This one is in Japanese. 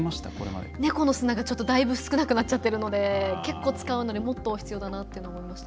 猫の砂がだいぶ少なくなってきてるので結構、使うのでもっと必要だなと。